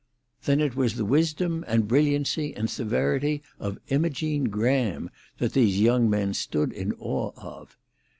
Then it was the wisdom and brilliancy and severity of Imogene Graham that these young men stood in awe of!